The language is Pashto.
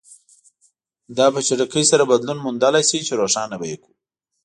دا په چټکۍ سره بدلون موندلای شي چې روښانه به یې کړو.